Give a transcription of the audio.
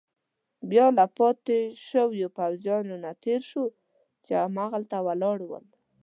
بیا له پاتې شوو پوځیانو نه تېر شوو، چې هملته ولاړ ول.